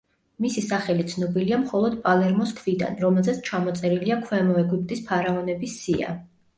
მისი სახელი ცნობილია მხოლოდ პალერმოს ქვიდან, რომელზეც ჩამოწერილია ქვემო ეგვიპტის ფარაონების სია.